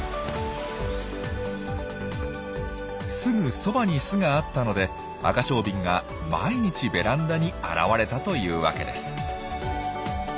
すぐそばに巣があったのでアカショウビンが毎日ベランダに現れたというわけです。